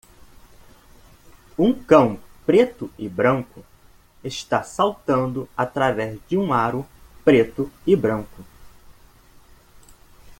Um cão preto e branco está saltando através de um aro preto e branco.